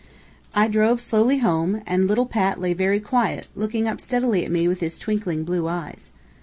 I drove slowly home, and little Pat lay very quiet, looking up steadily at me with his twinkling blue eyes.